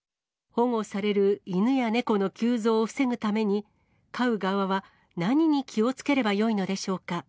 保護される犬や猫の急増を防ぐために、飼う側は何に気をつければよいのでしょうか。